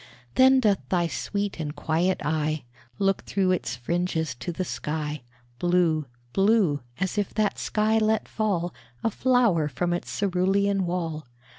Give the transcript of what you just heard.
Then doth thy sweet and quiet eye Look through its fringes to the sky, Blue blue as if that sky let fall A flower from its cerulean wall.